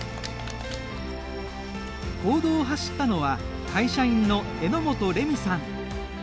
公道を走ったのは会社員の榎本礼美さん。